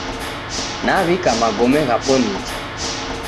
Nawika magome ghapo nicha